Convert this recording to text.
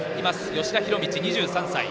吉田弘道、２３歳。